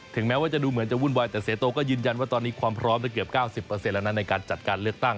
แม้ว่าจะดูเหมือนจะวุ่นวายแต่เสียโตก็ยืนยันว่าตอนนี้ความพร้อมเกือบ๙๐แล้วนะในการจัดการเลือกตั้ง